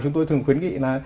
chúng tôi thường khuyến nghị là